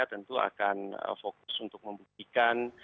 tentu akan fokus untuk membuktikan